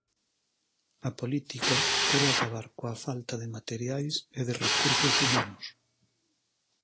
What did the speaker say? A política quere acabar coa falta de materiais e de recursos humanos.